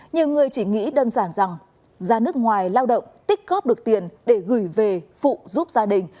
nhiều người chỉ nghĩ đơn giản rằng ra nước ngoài lao động tích góp được tiền để gửi về phụ giúp gia đình